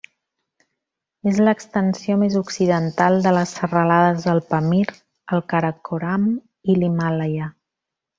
És l'extensió més occidental de les serralades del Pamir, el Karakoram i l'Himàlaia.